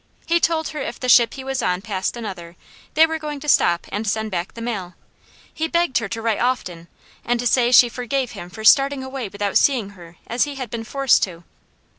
He told her if the ship he was on passed another, they were going to stop and send back the mail. He begged her to write often, and to say she forgave him for starting away without seeing her, as he had been forced to.